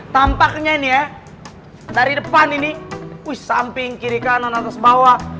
tampaknya ini ya dari depan ini samping kiri kanan atas bawah